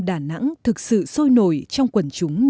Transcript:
đà nẵng thực sự sôi nổi trong quần chúng nhân dân